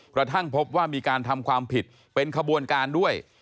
กระทั่งพบว่ามีการทำความผิดเป็นขบวนการด้วย